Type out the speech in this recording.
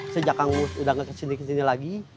sejak kang uus udah gak kesini kesini lagi